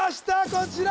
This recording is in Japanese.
こちら